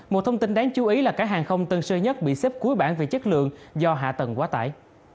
một thông tin đáng chú ý là cảng hàng không tân sơ nhất bị xếp cuối bản về chất lượng do hạ tầng quá tải